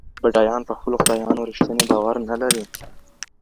بډایان په خپلو خدایانو رښتینی باور نه لري.